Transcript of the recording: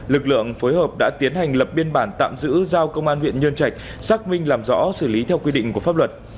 lực lượng phối hợp đã tiến hành lập biên bản tạm giữ giao công an huyện nhân trạch xác minh làm rõ xử lý theo quy định của pháp luật